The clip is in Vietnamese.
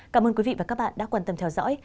cảm ơn quý vị và các bạn đã quan tâm theo dõi